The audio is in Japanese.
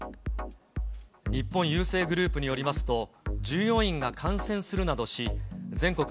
日本郵政グループによりますと、従業員が感染するなどし、全国